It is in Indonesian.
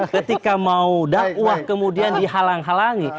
ketika mau dakwah kemudian dihalang halangi